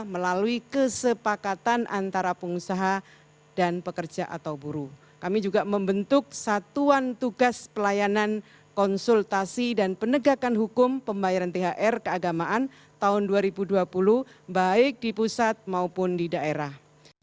melalui kesepakatan antara pengusaha dan pekerja atau buruh kami juga membentuk satuan tugas pelayanan konsultasi dan penegakan hukum pembayaran thr keagamaan tahun dua ribu dua puluh baik di pusat maupun di daerah